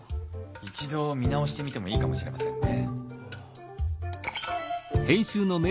一度見直してみてもいいかもしれませんね。